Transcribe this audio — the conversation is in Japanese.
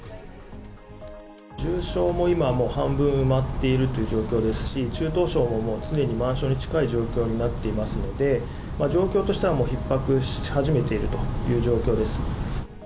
重症も今もう、半分埋まっているという状況ですし、中等症ももう、常に満床に近い状況になっていますので、状況としては、もうひっ迫し始めているという状況です。